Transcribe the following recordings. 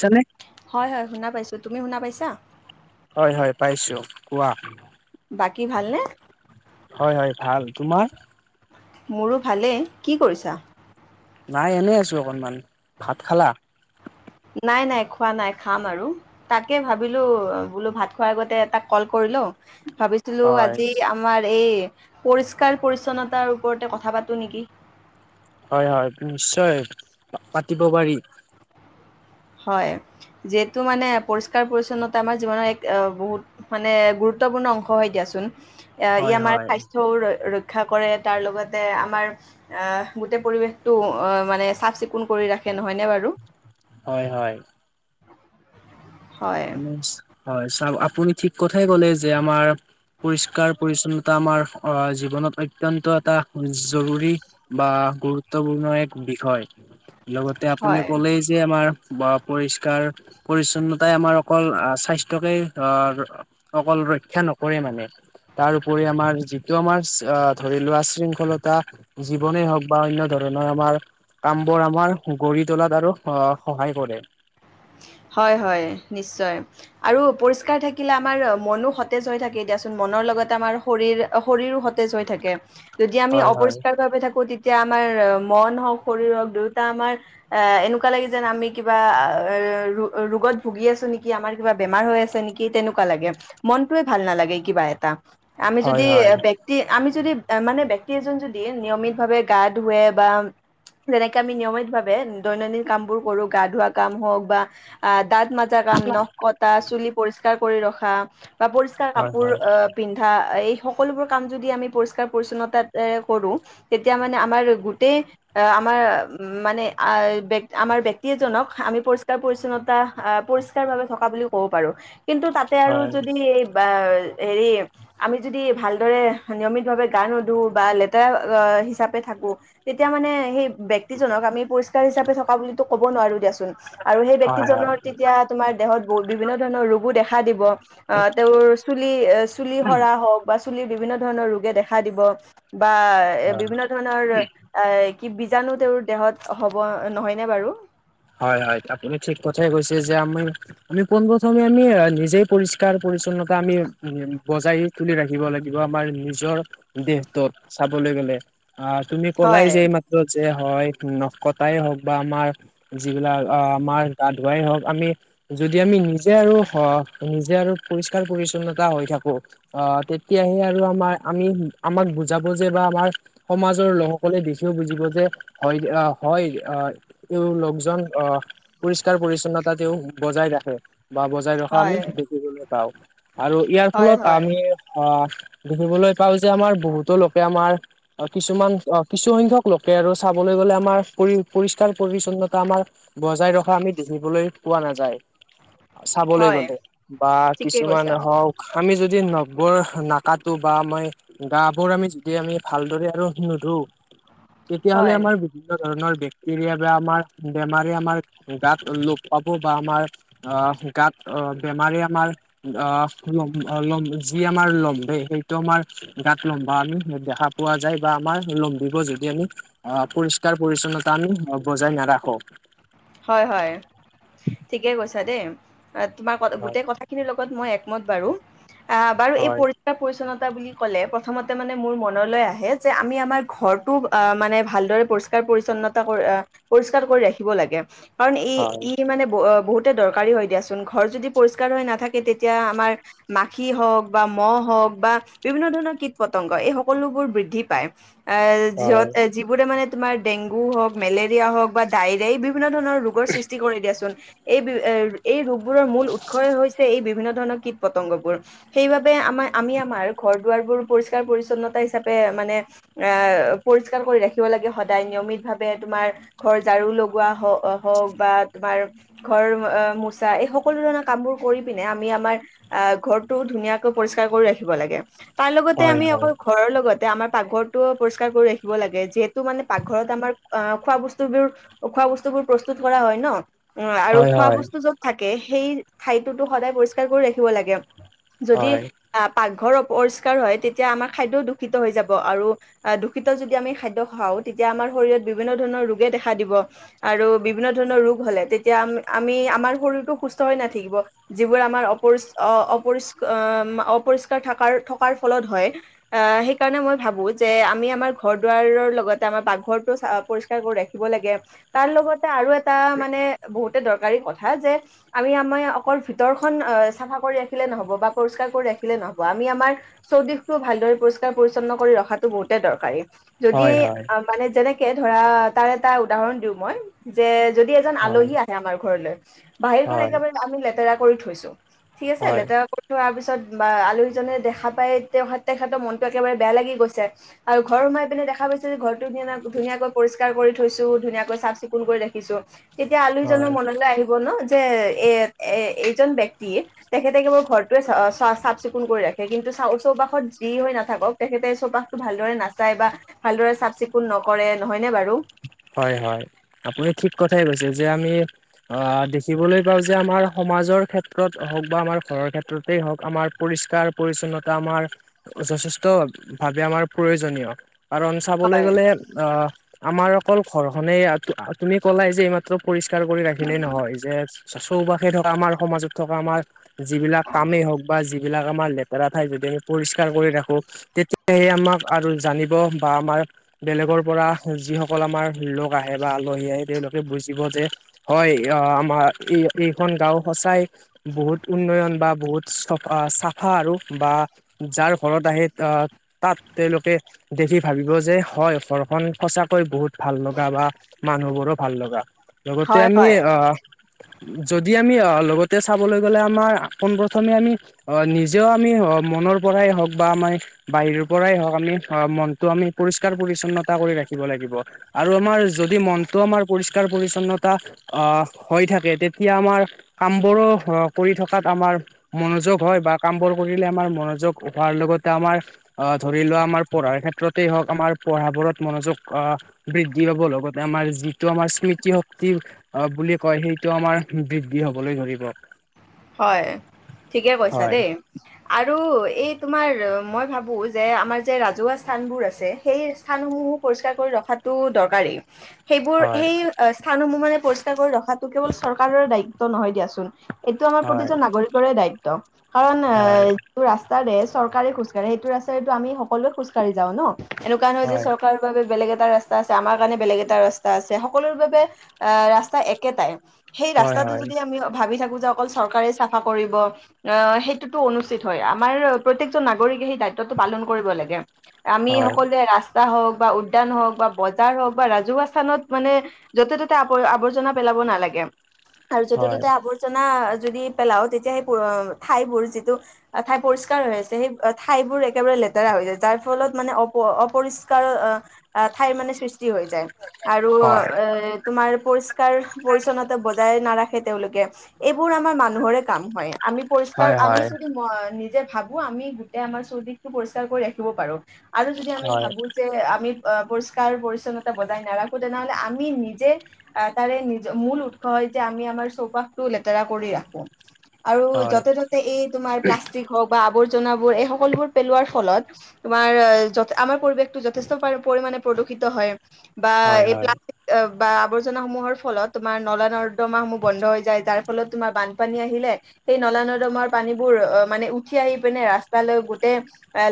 পাইছানে? হয় হয় শুনা পাইছোঁ তুমি শুনা পাইছা হয় হয় পাইছো কোৱা। বাকী ভালনে- হয় হয় ভাল তোমাৰ- মোৰো ভালে কি কৰিছা। নাই এনেই আছো অকনমান ভাত খালা- নাই নাই খোৱা নাই খাম আৰু তাকে ভাবিলো বোলো ভাত খোৱাৰ আগতে তাক কল কৰি। লও ভাবিছিলো হয় আজি আমাৰ- এই পৰিষ্কাৰ পৰিচ্ছন্নতাৰ ওপৰতে কথা পাতো নেকি? হয় হয় নিশ্চয় পাতিব পাৰি হয় যিহেতু মানে পৰিষ্কাৰ পৰিছন্নতা আমাৰ জীৱনৰ এক বহুত মানে গুৰুত- গুৰুত্বপূৰ্ণ অংশ হয় দিয়াচোন এই হয় আমাৰ হয় স্বাস্থ্যও শিক্ষা কৰে তাৰ লগতে আমাৰ গোটেই পৰিৱেশটো মানে চাফ চিকুণ কৰি ৰাখে। নহয়নে বাৰু হয় হয়। হয়, আমি হয় চ আপুনি ঠিক কথাই কলে যে আমাৰ পৰিষ্কাৰ পৰিচ্ছন্নতা আমাৰ অ জীৱন। নত অত্যন্ত এটা জৰুৰী বা গুৰুত্বপূৰ্ণ এক বিষয়- লগতে আপুনি হয়, ক'লেই যে আমাৰ বা পৰিষ্কাৰ পৰিচ্ছন্নতা পাই আমাৰ অকল স্বাস্থ্যকে, আহ অকল ৰক্ষা নকৰে মানে তাৰ উপৰিও আমাৰ যিটো আমাৰ ধৰি লোৱা শৃংখলতা জীৱনে হওক বা অন্য ধৰণৰ আমাৰ- কাম বোৰ আমাৰ গঢ়ি তোলাত আৰু আহ সহায় কৰে। উ হয় হয় নিশ্চয় আৰু পৰিষ্কাৰ থাকিলে আমাৰ মনো সতেজ হৈ থাকে এতিয়াচোন মনৰ ৰ লগতে আমাৰ শৰী শৰীৰো সতেজ হৈ থাকে যদি আমি হয় হয় অপৰিষ্কাৰ ভাবে থাকো এতিয়া আমাৰ মন হওক শৰীৰ হওক দেউতা আমাৰ এ এনেকুৱা লাগে যেন আমি কিবা এ ৰ ৰোগত ভুগি আছ নেকি আমাৰ কিবা বেমাৰ হৈ আছে নেকি তেনেকুৱা লাগে মনতয়ে ভাল নালাগে [unintelligible] লে কিবা এটাআমি যদি হয় হয় ব্যক্তি- [unintelligible] যদি মানে ব্যক্তি এজন যদি নিয়মিত ভাৱে গা ধুৱে বা [unintelligible] যেনেকে আমি নিয়মিত ভাৱে দৈনন্দিন কাম বোৰ কৰো গা ধোৱা কাম হওক [unintelligible] বা দাঁত মাজা কাম নখ কটা চুলি পৰিস্কাৰ কৰি ৰখা বা পৰিষ্কাৰ হয় কাপোৰ হয় অ পিন্ধা এই সকলোবোৰ কাম যদি আমি পৰিস্কাৰ পৰিচ্ছনতা কৰো তেতিয়া মানে আমাৰ গোটেই অ- আমাৰ উ মানে আমাৰ ব্যক্তি এজনক আমি পৰি পৰিচ্ছন্নতা পৰিষ্কাৰ ভাবে থকা বুলি ক'ব পাৰো কিন্তু তাতে আৰু হয় যদি এই বা হেৰি আমি যদি ভালদৰে নিয়মিতভাৱে গা নোধো বা লেতেৰা হিচাপ থাকো তেতিয়া মানে সেই ব্ক্তিজনক আমি পৰিষ্কাৰ হিচাপে থকা বুলি ক'ব নোৱাৰো দিয়াচোন আৰু সেই ব হয় হয় ব্যক্তিজনৰ তেতিয়া তোমাৰ দেহত বু বিভিন্ন ধৰণৰ ৰোগো দেখা দিব আহ তেওঁৰ চুলি চুলি এ চুলি সৰা হওঁক বা চুলিৰ বিভিন্ন ধৰণৰ ৰোগে দেখা দিব বা এ হয় বিভিন্ন ধৰণৰ এ কি বীজাণু তেওঁৰ দেহত হ'ব নহয়নে বাৰু হয় হয় আপুনি ঠিক কথাই কৈছে যে আমি আমি পোনপ্ৰথমে আমি নিজেই পৰিষ্কাৰ পৰিছন্নতা আমি বজাই তুলি ৰাখিব লাগিব আমাৰ নিজৰ দেহটোত চাবলৈ লে আহ তুমি কলাই হয় যে এই মাত্ৰ যে হয় ন কটাই হওক বা আমাৰ যিবিলাক আমাৰ দা ধুৱাই হওঁক আমি যদি আমি নিজে আৰু নিজে আৰু পৰিষ্কাৰ পৰি্ছন্নতা হৈ থাকো অ তেতিয়াহে আৰু আমাৰ আমি আমাক বুজাব যে বা আমাৰ সমাজৰ লোকসকলে দেখিও বুজিব যে হয় হয় আহ অ পৰিষ্কাৰ পৰি্ছন্নতা তেওঁ বজাই ৰাখে বা বজাই ৰখা আমি হয় দেখিবলৈ পাও আৰু ইয়াৰ হয় ফলত হয় আমি অ দেখিবলৈ পাও যে আমাৰ বহুতো লোকে আমাৰ কিছুমান অ কিছু সংখ্যক লোকে আৰু চাব গলে আমাৰ পৰি পৰিষ্কাৰ পৰিছন্নতা আমাৰ বজাই ৰখা আমি দেখিবলৈ পোৱা নাযায় চাবলৈ হয় গ'লে বা ঠিকেই কিছুমান কৈছা হওক আমি যদি য নখ নাকটো বা আমি গা বোৰ আমি যদি আমি ভালদৰে আৰু নধো [inaudible] তেতিয়াহ'লে আমাৰ বিভিন্ন ধৰণৰ বেক্টেৰিয়া বা আমাৰ বেমাৰ আমাৰ গাত লগ পাব বা আমাৰ আহ গাত বেমাৰী আমাৰ অ লম যি আমাৰ লম্বে সেইটো আমাৰ গাত লম্বা আমি সেইটো দেখা পোৱা যায় বা আমাৰ লম্বিব যদি আমি অ পৰিষ্কাৰ পৰিচ্ছনতা আমি বজাই নাৰাখো ক'ক হয় হয় ঠিকে কৈছা দেই তোমাৰ হয় গোটেই কথাখিনিৰ লগত মই বাৰু অ বাৰু এই হয় পৰিষ্কাৰ পৰিচছন্ন বুলি কলে প্ৰথমতে মানে মোৰ মনলৈ আহে যে আমি আমাৰ ঘৰটো অ মানে ভালদৰে পৰিষ্কাৰ পৰিছন্নতা পৰিষ্কাৰ কৰি ৰাখিব লাগে কাৰণ ই হয় ই মানে বহুত দৰকাৰী হয় দিয়াচোন ঘৰ যদি পৰিষ্কাৰ হৈ নাথাকে তেতিয়া আমাৰ মাখি হওক বা মহ হওক বা বিভিন্ন ধৰণৰ কীট পতংগ এই সকলোবোৰ বৃদ্ধি পায় এ যিহত এ যিবোৰে মানে তোমাৰ ডেংগু হওক মেলেৰিয়া হওক বা ডায়েৰিয়াই বিভিন্ন ধৰণৰ ৰোগৰ সৃষ্টি কৰি দিয়াচোন এই বি এ এই ৰোগবোৰৰ মূল উৎসই হৈছে এই বিভিন্ন ধৰণৰ কীট পতংগবোৰ সেইবাবে আমাৰ আমি আমাৰ ঘৰ দুৱাবোৰ পৰিস্কাৰ পৰিন্নতা হিচাপে মানে পৰিস্কাৰ কৰি ৰাখ। ৰাখিব লাগে সজাই নিয়মিতভাৱে সদায় ঘৰ জাৰু হক বা তমাৰ ঘৰ মোচা এই সকলো ধৰণৰ কামবোৰ কৰি কিনে আমি আমাৰ আহ ঘৰটো ধুনীয়াকৈ পৰিষ্কাৰ কৰি ৰাখিব লাগে। তাৰ লগতে হয় আমি অকল ঘৰৰ লগতে আমাৰ পাকঘৰটো পৰিষ্কাৰ কৰি ৰাখিব লাগে যিহেতু মানে পাকঘৰত আমাৰ আহ খোৱা বস্তু বোৰ খোৱা বস্তু বোৰ প্ৰস্তুত কৰা হয় ন আৰু খোৱা হয় হয় বস্তু যত থা কে সেই ঠাইটোতো সদায় পৰিষ্কাৰ কৰি ৰাখিব লাগে যদি হয় হয় আ পাক ঘৰ অপৰিষ্কাৰ হয় তেতিয়া আমাৰ খাদ্যও দূষিত হৈ যাব আৰু দূষিত যদি আমি খাদ্য খাও তে তিয়া আমাৰ শৰীৰত বিভিন্ন ধৰণৰ ৰোগে দেখা দিব আৰু বিভিন্ন ধৰণৰ ৰোগ হলে তেতিয়া আম আমি আমাৰ শৰীৰতো সুস্থ হৈ নাথাকিব যিবোৰ আ মাৰ অপৰিচ অপৰিচ এ ম অপৰিষ্কাৰ থকাৰ ফলত হয় সেইকাৰণে মানে মই ভাবো যে আমি আমাৰ ঘৰ দুৱাৰৰ লগতে আমাৰ পাকঘৰটো চ পৰিস্কাৰ কৰি ৰাখিব লাগে। তাৰ লগতে আৰু এটা মানে বহুত দৰকাৰী কথা যে আমি আমাৰ অকল ভিতৰ খখন অ চাফা কৰি ৰাখিলে নহব বা পৰিষ্কাৰ কৰি ৰাখ ৰাখিলে নহব আমি আমাৰ চৌদিশটো ভালদৰে পৰিষ্কাৰ পৰিচ্ছন্ন কৰি ৰখাতো বহুতে দৰকাৰী যদি হয় এই হয় হয় মানে যেনেকে ধৰা তাৰ এটা উদাহৰণ দিওঁ মই যে যদি এজন হয় আলহী আহে আমাৰ ঘৰলৈ বাহিৰখন হয় একেবাৰে আমি লেতেৰা কৰি থৈছো ঠিক আছে হয় লেতেৰা কৰি থোৱাৰ পিছত বা আলহী জনে দেখা পাই তে তেখতৰ মনটো একেবাৰে বেয়া লাগি গৈছে আৰু ঘৰ সোমাই পিনে দেখা পাইছে যে ঘৰটো ধুনীয়াকৈ পৰিষ্কাৰ কৰি থৈছো ধুনীয়াকৈ চাফ চিকুণ কৰি ৰাখিছো তেতিয়া হয় আলহীজনৰ মনলৈ আহিব ন যে এ এ এইজন ব্যক্তি তেখেতে কেৱল ঘৰটোৱে চ চাফ চিকুণ কৰি ৰাখে কিন্তু চৌপাশত যি হৈ নাথাকক তেখেতে চৌপাশটো ভালদৰে নাচাই বা ভালদৰে চাফ চিকুণ নকৰে নহয়নে বাৰু হয় হয় আপুনি ঠিক কথাই কৈছে যে আমি অ দেখিবলৈ পাও যে আমাৰ সমাজৰ ক্ষেত্ৰত হওক বা আমাৰ ঘৰৰ ক্ষেত্ৰতেই হওক আমাৰ পৰিষ্কাৰ পৰিচ্ছন্নতা আমাৰ আমাৰ যথেষ্ট ভাৱে আমাৰ প্ৰয়োজনীয় কাৰণ চাবলৈ হয় গ'লে অহ আমাৰ অকল ঘৰখনে তুমি ক'লাই যে এইমাত্ৰ পৰিষ্কাৰ কৰি ৰাখিলেই নহয় যে চৌপাশে থকা আমাৰ সমাজত থকা আমাৰ যিবিলাক কামেই হওক বা যিবিলাক আমাৰ লেতেৰা ঠাই যদি পৰিষ্কাৰ কৰি ৰাখো তেতিয়াহে আমাক আৰু জানিব বা আমাৰ বেলেগৰ পৰা যি স কল আমাৰ লোক আহে বা আলহী আহে তেওঁলোকে বুজিব যে হয় অহ আমাৰ এইখন গাও সঁচাই বহুত উন্নয়ন বা বহুত চাফা আৰু বা যাৰ ৰ ঘৰত আহে আহ তাত তেওঁলোকে দেখি ভাবিব যে হয় ঘৰখন সচা কৈ বহুত ভাল লগা বা মানুহবোৰো ভাল লগা লগতে হয় আমি হয় অহ যদি আমি অহ লগতে চাবলৈ গ'লে আমাৰ পোনপ্ৰথমে আমি অ নিজেও আমি মনৰ পৰাই হওক বা আমাৰ বাহিৰৰ পৰাই হওক আমি মনটো আমি পৰিষ্কাৰ পৰি্ছন্নতা কৰি ৰাখি ব লাগিব আৰু আমাৰ যদি মনটো আমাৰ পৰিষ্কাৰ পৰিছন্নতা অহ হৈ থাকে তে তিয়া আমাৰ কাম বোৰো কৰি থকাত আমাৰ মনোযোগ হয় বা কাম বোৰ কৰিলে আমাৰ ম নযোগ হোৱাৰ লগতে আমাৰ অ ধৰি লোৱা আমাৰ পঢ়াৰ ক্ষেত্ৰতে হওঁক আমাৰ পঢ়া বোৰত মনোযোগ অ বৃদ্ধি পাব লগতে আমাৰ যিটো আমাৰ স্মৃতি শক্তি বুলি কয় সেইটো আমাৰ বৃদ্ধি হবলৈ ধৰিব হয় ঠিকে কৈছা হয় দেই আৰু এই তোমাৰ মই ভাবো যে আমাৰ যে ৰাজহুৱা স্থান বোৰ আছে সেই স্থানসমূহো পৰিষ্কাৰ কৰি ৰখা তো দৰকাৰেই সেইবোৰ হয় সেই স্থানসমূহ মানে পৰিষ্কাৰ কৰি ৰখাতো কেৱল চৰকাৰৰ দায়িত্ব নহয় দিয়াচোন এইটো আমাৰ হয় প্ৰতিজন নাগৰিকৰে দায়িত্ব কাৰণ এ হয় যিটো ৰাস্তাৰে ৰে চৰকাৰে খোজ কাঢ়ে সেইটো ৰাস্তাৰেতো আমি সকলোৱে খোজকাঢ়ি যাও ন এনেকোৱা নহয় যে হয় চৰকাৰৰ বাবে বেলেগ এটা এটা ৰাস্তা আছে আমাৰ কাৰণে বেলেগ এটা ৰাস্তা আছে সকলোৰ বাবে আহ ৰাস্তা একেটাই সেই হয় ৰাস্তাটো যদি আমি ভাবি থাকো যে অকল চৰকাৰে চাফা কৰিব সেইটোতো অনুচিত হয় আমৰ প্ৰত্যেকজন নাগৰিকে সেই দায়িত্বতো পালন কৰিব লাগে আমি হয় সকলোৱে ৰা স্তা হওক বা উদ্যান হওক বা বজাৰ হওক বা ৰাজহুৱা স্থানত মানে য'তে ত'তে আ আৱৰ্জনা পেলাব নালাগে আৰু য'তে হয় ত'তে আৱৰ্জনা যদি পেলাও তেতিয়া সেই ঠাইবোৰ যিটো ঠাই পৰিষ্কাৰ হৈ আছে সেই ঠাইবোৰ একেবাৰে লেতেৰা হৈ যায় যাৰ ফলত মানে অ অপৰিষ্কাৰ ঠাই মানে সৃ ষ্টি হৈ যায় আৰু হয় এ তোমাৰ পৰিষ্কাৰ পৰিছন্নতা বজাই নাৰা সেই তেওঁলোকে এইবোৰ আমাৰ মানুহৰে কাম হয় আমি পৰিষ্কাৰ হয় হয় হয় আমি যদি নিজে, ভাবো আমি গোটেই আমাৰ চৌদিশটো পৰিষ্কাৰ কৰি ৰাখিব পাৰো আৰু যদি আমি হয় ভাবো যে আমি অ পৰিষ্কাৰ পৰিচ্ছন্নতা বজাই নাৰাখো তেনেহলে আমি নিজে তাৰে নিজ মূল উৎস যে আমি আমাৰ চৌপাশ টো লেতেৰা কৰি ৰাখো আৰু হয় যতে ততে এই তোমাৰ প্লাষ্টিক হওক বা আবৰ জনাবোৰ এই সকলোবোৰ পেলোৱাৰ ফলত তোমাৰ আমাৰ পৰিৱেশটো যথেষ্ট পৰিমাণে প্ৰদূষিত হয়। বা হয় এই হয় বিলাক বা আৱৰ্জনাসমূহৰ ফলত তোমাৰ নলা নৰ্দমাসমূহ বন্ধ হৈ যায়। যাৰ ফলত তোমাৰ বানপানী আহিলে সেই নলা নৰ্দমাৰ পানীবোৰ অ মানে উঠি আহি পিনে ৰাস্তাৰ লৈ, গোটেই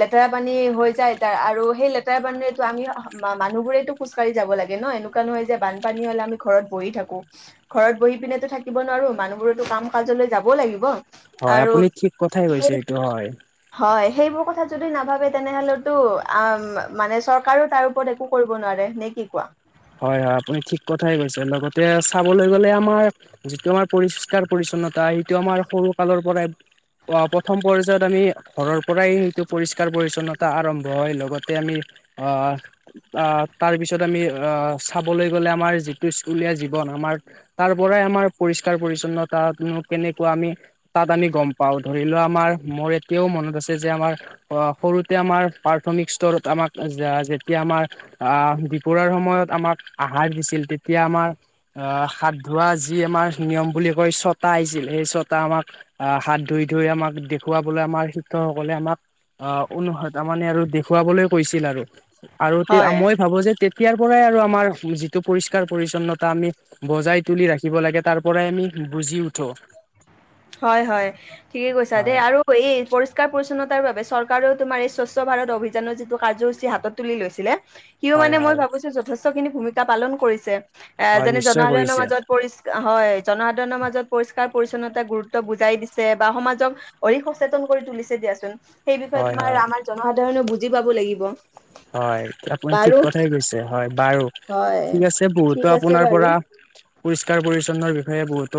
লেতেৰা পানী হৈ যায় তাৰ আৰু সেই লেতেৰা পানীৰেতো আমি মানুহবোৰেতো খোজ। খোজকাঢ়ি যাব লাগে ন এনেকুৱা নহয় যে বানপানী হলে আমি ঘৰত বহি থাকো ঘৰত বহি পিনে থ থাকিব নোৱাৰো মানুহবোৰতো কাম কাজলৈ যাব লাগিব। হয় আৰু আপুনি ঠিক কথাই কৈছে সেই এইটো হয়। হয় সেইবোৰ কথা যদি নাভাবে তেনেহলেতো আ মানে চৰকাৰো তাৰ ওপৰত একো কৰিব নোৱাৰে। নে কি কোৱা? হয় হয় আপুনি ঠিক কথাই কৈছে লগতে চাবলৈ গলে আমাৰ যিটো আমাৰ পৰিষ্কাৰ পৰিচ্ছন্ন। ন্নতা সেইটো আমাৰ সৰু কালৰ পৰাই অ প্ৰথম পৰ্যয়ায়ত আমি ঘৰৰ পৰাই সটো পৰিষ্কাৰ পৰিচ্ছন্নতা আৰম্ভ হয় লগতে আমি অ আহ তাৰ পিছত আমি অ চাবলৈ গ'লে আমাৰ যিটো স্কুলীয়া জীৱন আমাৰ তাৰ পৰাই আমাৰ পৰিষ্কাৰ পৰি্ছন্নতা। তাতনো কেনেকুৱা আমি তাত আমি গম পাও ধৰি লোৱা আমাৰ মোৰ এতিয়াও মনত আছে যে আমাৰ অ সৰুতে আমাৰ প্ৰাথমিক স্তৰত আমাক যেতিয়া আমাৰ আহ বিপাৰ সময় য়ত আমাক আহাৰ দিছিল তেতিয়া আমাৰ আহ হাত ধোৱা যি আমাৰ নিয়ম বুলি কৈছোঁ। ছটা আহিছিল সেই ছতা আমাক আহ হাত ধুই ধুই আমাক দেখুৱাবলৈ আমাৰ শিক্ষকসকলে আমাক অ অনুস মানে আৰু দেখুৱাবলৈ কৈছিল আৰু আৰু তে হয় মই ভাবো যে তাৰ পৰাই আৰু আমাৰ যিটো পৰিষ্কাৰ পৰি্ছন্নতা আমি বজাই তুলি ৰাখিব লাগে তাৰ পৰাই আমি বহুতো বুজি উঠো। হয় হয় ঠিকে কৈছা দ হয় আৰু এই পৰিষ্কাৰ পৰিচ্ছন্নতা। তাৰ বাবে চৰকাৰেও তোমাৰ এই স্বচ্ছ ভাৰত অভিযানৰ যিটো কাৰ্যসূচী হাতত তুলি লৈছিলে। সিও হয় মানে মই হয় ভাবিছো যথেষ্ট খিনি ভূমিকা পালন কৰিছে। এ হয় যেনে নিশ্চয় জনসাধাৰণৰ কৰিছে মাজত পৰিষ্কাৰ হয় জনসাধাৰণৰ মাজত পৰিষ্কাৰ পৰিচ্ছন্নতা এটা গুৰুত্ব বুজাই দিছে বা সমাজক অধিক সচেতন কৰি তুলিছে দিয়াচোন। সেই বিষয়ে হয় হয় তোমাৰ আমাৰ জনসাধাৰণে বুজি পাব লাগিব। হয় আপুনি ঠিক বাৰু কথাই কৈছে হয় বাৰু। হয় ঠিক আছে বহুতো ঠিক আছে আপোনাৰ বাৰু পৰা পৰিষ্কাৰ পৰি্ছন্ন বিষয়ে বহুতো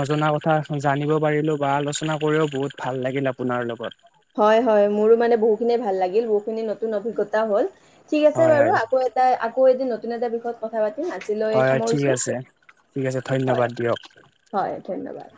নজনা কথা জানিব পাৰিলো বা আলোচনা কৰিও বহুত। ভাল লাগিল আপোনাৰ লগত। হয় হয় মোৰো মানে বহুখিনিয় ভাল লাগিল বহুখিনি নতুন অভিজ্ঞতা হ'ল ঠিক আছে হয় বাৰু হয় আকৌ এটা আকৌ এদিন নতুন এটা বিষয়ত কথা পাতিম। আজিলৈ হয় ঠিক সামৰিছো আছে ঠিক আছে হয় ধন্যবাদ দিয়ক। হয় ধন্যবাদ।